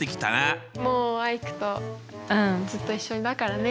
もうアイクとずっと一緒だからね。